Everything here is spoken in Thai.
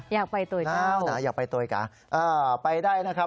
อยากไปต่อยก่าวนะครับอยากไปต่อยก่าวไปได้นะครับ